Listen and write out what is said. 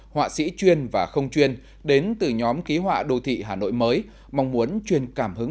họa sĩ chuyên và không chuyên đến từ nhóm ký họa đô thị hà nội mới mong muốn truyền cảm hứng